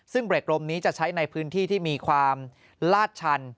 ซึ่งเบรกลมนี้จะใช้ในพื้นที่ที่มีความลาดชัน